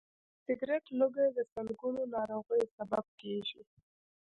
د سګرټ لوګی د سلګونو ناروغیو سبب کېږي.